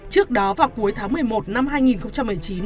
trước đó vào cuối tháng một mươi một năm hai nghìn một mươi chín